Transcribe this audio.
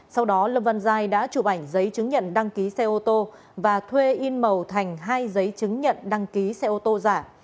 sau đó lâm văn giai đã chụp ảnh giấy chứng nhận đăng ký xe ô tô và thuê in màu thành hai giấy chứng nhận đăng ký xe ô tô giả